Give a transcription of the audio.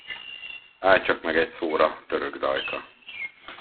Állj csak meg egy szóra, török dajka!